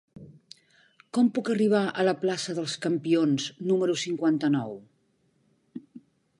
Com puc arribar a la plaça dels Campions número cinquanta-nou?